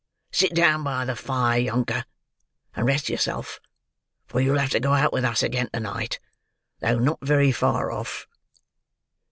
Sit down by the fire, younker, and rest yourself; for you'll have to go out with us again to night, though not very far off."